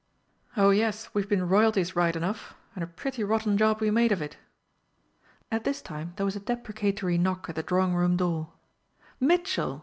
Oh yes, we've been Royalties right enough and a pretty rotten job we made of it!" At this time there was a deprecatory knock at the drawing room door. "Mitchell!"